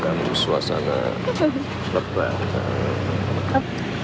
tidak ada suasana perbanan